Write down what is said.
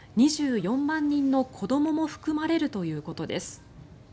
２４万人の子どもも含まれるということです。